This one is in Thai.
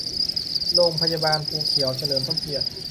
โรงพยาบาลภูเขียวเฉลิมพระเกียรติ